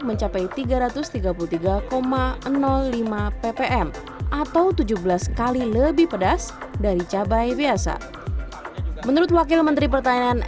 mencapai tiga ratus tiga puluh tiga lima ppm atau tujuh belas kali lebih pedas dari cabai biasa menurut wakil menteri pertanian